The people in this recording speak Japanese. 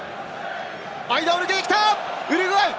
間を抜けてきたウルグアイ！